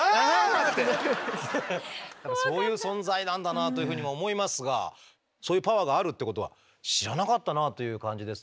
そういう存在なんだなあというふうにも思いますがそういうパワーがあるっていうことは知らなかったなあという感じですね。